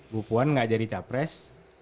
bu puan gak jadi capres